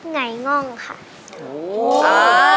ไงง่องค่ะ